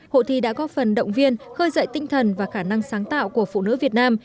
hội thi đã góp phần động viên khơi dậy tinh thần và khả năng sáng tạo của phụ nữ việt nam